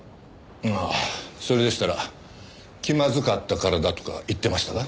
ああそれでしたら気まずかったからだとか言ってましたが。